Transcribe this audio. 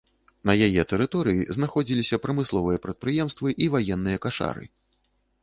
На яе тэрыторыі знаходзіліся прамысловыя прадпрыемствы і ваенныя кашары.